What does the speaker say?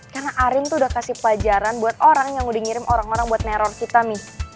karena arin tuh udah kasih pelajaran buat orang yang udah ngirim orang orang buat neror kita mie